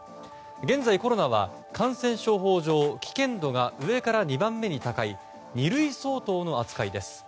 現在、コロナは感染症法上危険度が上から２番目に高い二類相当の扱いです。